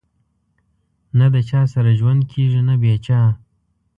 نه د چا سره ژوند کېږي نه بې چا